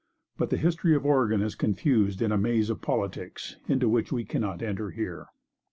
But the history of Oregon is confused in a maze of politics, into which we cannot enter here.